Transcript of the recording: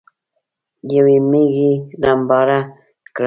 يوې ميږې رمباړه کړه.